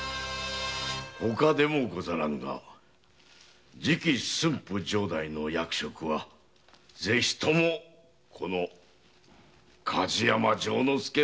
ほかでもござらんが次期駿府城代の役職はぜひともこの梶山丈之介をご推挙願いたい。